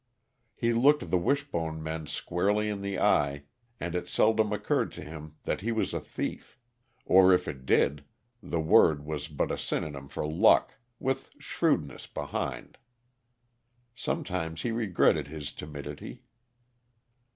He looked the Wishbone men squarely in the eye, and it seldom occurred to him that he was a thief; or if it did, the word was but a synonym for luck, with shrewdness behind. Sometimes he regretted his timidity.